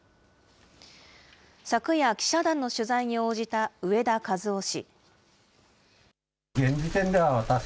昨夜、記者団の取材に応じた植田和男氏。